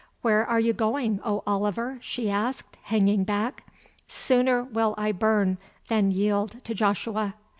"Where are you going, O Oliver?" she asked, hanging back. "Sooner will I burn than yield to Joshua."